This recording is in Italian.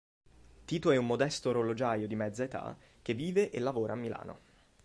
Tito è un modesto orologiaio di mezza età che vive e lavora a Milano.